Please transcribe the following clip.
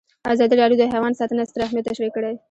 ازادي راډیو د حیوان ساتنه ستر اهميت تشریح کړی.